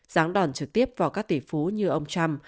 ráng đòn trực tiếp vào các tỷ phú như ông trump